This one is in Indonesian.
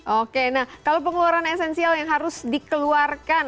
oke nah kalau pengeluaran esensial yang harus dikeluarkan